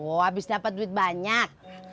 oh abis dapat duit banyak